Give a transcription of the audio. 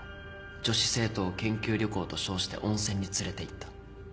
女子生徒を研究旅行と称して温泉に連れていった。